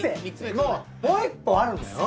もう１本あるんだよ。